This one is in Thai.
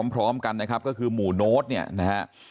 พร้อมกันนะครับก็คือหมู่โน้ตเนี่ยนะฮะ